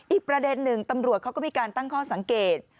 อีกประเด็นหนึ่งตำรวจเขาก็มีการตั้งข้อสังเกต